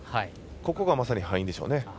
ここがまさに敗因でしょうね。